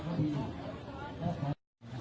สวัสดีทุกคน